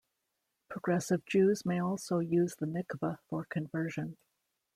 Progressive Jews may also use the mikveh for conversion.